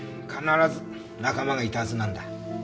必ず仲間がいたはずなんだ。